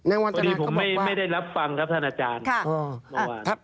พอดีผมไม่ได้รับฟังครับท่านอาจารย์